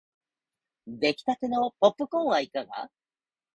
できたてのポップコーンはいかが